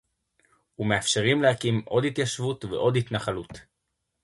ומאפשרים להקים עוד התיישבות ועוד התנחלות